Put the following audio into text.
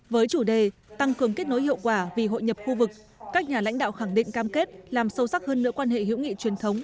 với chủ đề tăng cường kết nối hiệu quả vì hội nhập khu vực các nhà lãnh đạo khẳng định cam kết làm sâu sắc hơn nữa quan hệ hữu nghị truyền thống